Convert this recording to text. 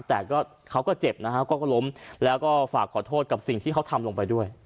แต่ก็เขาก็เจ็บนะฮะเขาก็ล้มแล้วก็ฝากขอโทษกับสิ่งที่เขาทำลงไปด้วย